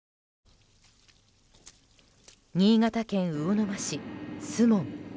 新潟県魚沼市守門。